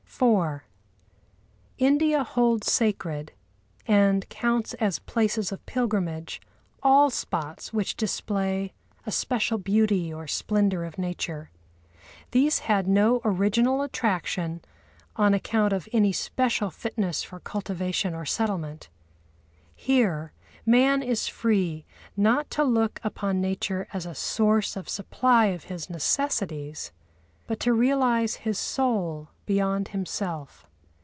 IV India holds sacred, and counts as places of pilgrimage, all spots which display a special beauty or splendour of nature. These had no original attraction on account of any special fitness for cultivation or settlement. Here, man is free, not to look upon Nature as a source of supply of his necessities, but to realise his soul beyond himself.